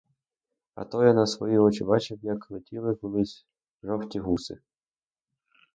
А то я на свої очі бачив, як летіли колись жовті гуси.